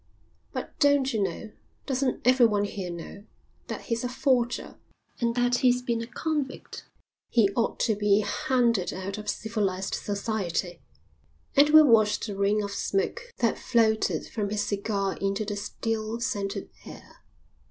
"But don't you know, doesn't everyone here know, that he's a forger and that he's been a convict? He ought to be hounded out of civilised society." Edward watched a ring of smoke that floated from his cigar into the still, scented air.